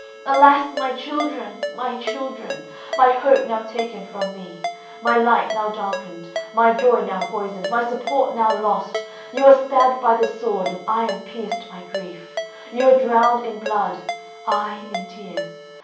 Alas, my children, my children! my hope now taken from me, my light now darkened, my joy now poisoned, my support now lost! You are stabbed by the sword, I am pierced by grief; you are drowned in blood, I in tears.